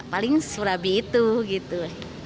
paling surabi itu gitu